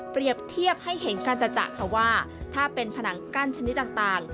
เทียบให้เห็นกันจัดค่ะว่าถ้าเป็นผนังกั้นชนิดต่าง